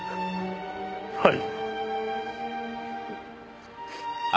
はい。